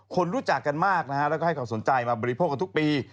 คนรู้จักกันมากนะฮะแล้วก็ให้เขาสนใจมาบริโภคกันทุกปี